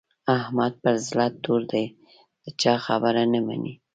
احمد پر زړه تور دی؛ د چا خبره نه مني.